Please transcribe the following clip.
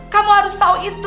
kamu harus tahu itu